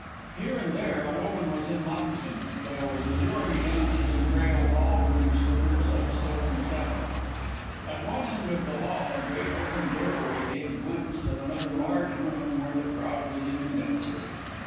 Here and there a woman was in moccasins, though the majority danced in frail ball room slippers of silk and satin. At one end of the hall a great open doorway gave glimpse of another large room where the crowd was even denser.